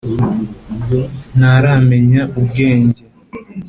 Ntaramenya ubwenge